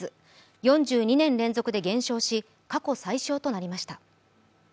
４２年連続で減少し過去最少となりました。